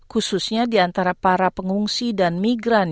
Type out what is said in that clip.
khususnya di antara para pengungsi dan migran